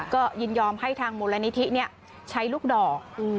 ก็ยินยอมให้ทางมูลนิธิใช้ลูกดอก